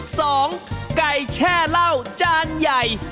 ไก่แช่เหล้าจานใหญ่